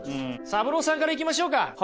サブローさんからいきましょうか。